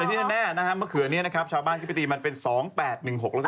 เอ๊ะคำแบบนี้หรอคำแบบนี้มันจะขึ้น